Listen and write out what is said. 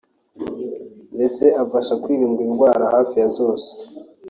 ndetse afasha mu kwirinda indwara hafi ya zose